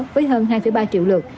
với hơn hai ba triệu lượt